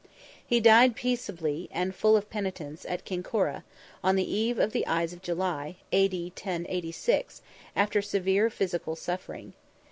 He died peaceably and full of penitence, at Kinkora, on the eve of the Ides of July, A.D. 1086, after severe physical suffering.